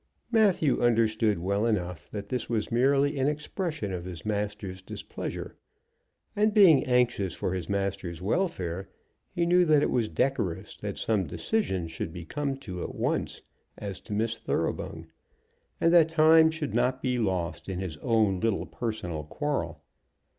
Matthew understood well enough that this was merely an expression of his master's displeasure, and, being anxious for his master's welfare, knew that it was decorous that some decision should be come to at once as to Miss Thoroughbung, and that time should not be lost in his own little personal quarrel.